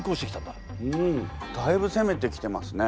だいぶせめてきてますね。